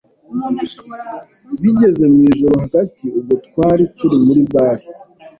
bigeze mu ijoro hagati ubwo twari turi muri bar